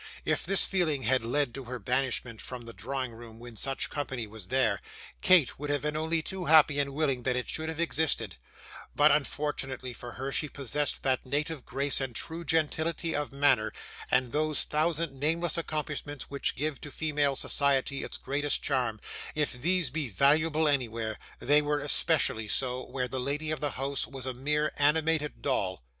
If this feeling had led to her banishment from the drawing room when such company was there, Kate would have been only too happy and willing that it should have existed, but unfortunately for her she possessed that native grace and true gentility of manner, and those thousand nameless accomplishments which give to female society its greatest charm; if these be valuable anywhere, they were especially so where the lady of the house was a mere animated doll.